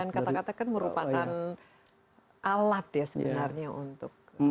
dan kata kata kan merupakan alat ya sebenarnya untuk